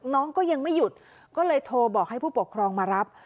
น้องก็ยังไม่หยุดก็เลยโทรบอกให้ผู้ปกครองมารับ